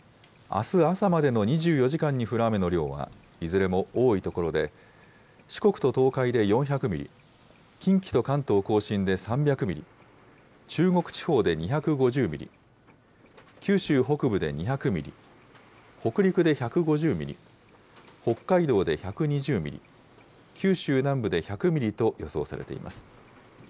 あす朝までの２４時間に降る雨の量は、いずれも多い所で四国と東海で４００ミリ、近畿と関東甲信で３００ミリ、中国地方で２５０ミリ、九州北部で２００ミリ、北陸で１５０ミリ、北海道で１２０ミリ、九州南部で１００ミリと予想されています。